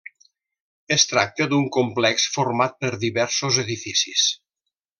Es tracta d'un complex format per diversos edificis.